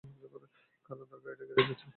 কারণ তার গাড়িটা গ্যারেজে আছে।